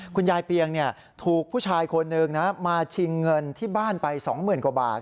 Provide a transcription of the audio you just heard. เปียงถูกผู้ชายคนหนึ่งนะมาชิงเงินที่บ้านไป๒๐๐๐กว่าบาท